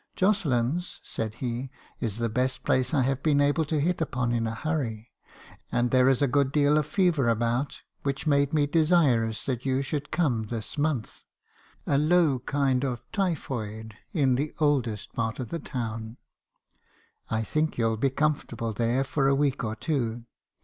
'Jocelyn's,' said he, 4s the best place I have been able to hit upon in a hurry, and there is a good deal of fever about, which made me desirous that you should come this month, — a low kind of typhoid, in the oldest part of the town. I think you '11 be comfortable there for a week or two.